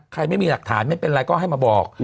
ไม่มีหลักฐานไม่เป็นไรก็ให้มาบอก